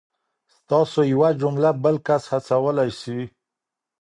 ستاسو یوه جمله بل کس هڅولی سي.